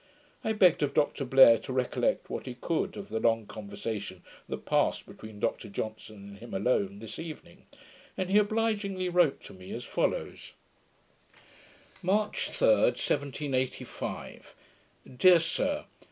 I begged of Dr Blair to recollect what he could of the long conversation that passed between Dr Johnson and him alone, this evening, and he obligingly wrote to me as follows: March 3, 1785. Dear Sir